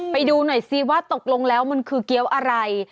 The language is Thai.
ไปดูหน่อยซิว่าตกลงแล้วมันคือเกี้ยวอะไร